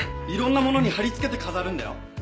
いろんなものに貼り付けて飾るんだよ。